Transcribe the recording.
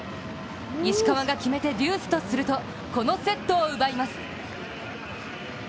石川が決めてデュースとするとこのセットを奪います。